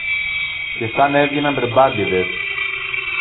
Και σαν έβγαιναν μπερμπάντηδες